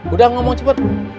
udah ngomong cepet